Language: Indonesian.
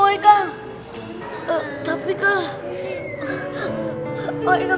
owe tidak diingat sama orang tua owe kang